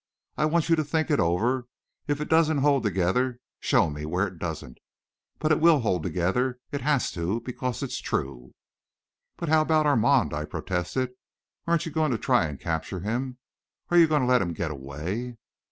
I want you to think it over. If it doesn't hold together, show me where it doesn't. But it will hold together it has to because it's true!" "But how about Armand?" I protested. "Aren't you going to try to capture him? Are you going to let him get away?"